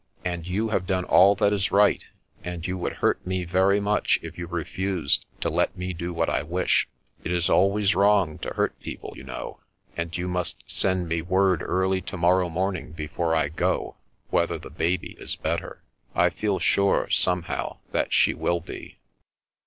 And you have done all that is right, and you would hurt me very much if you refused to let me do what I wish. It is always wrong to hurt people, you know. And you must send me word early to morrow morning before I go, whether the baby is better. I feel sure, somehow, that she will be."